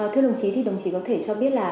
thưa đồng chí thì đồng chí có thể cho biết là